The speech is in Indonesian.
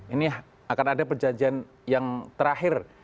ini akan ada perjanjian yang terakhir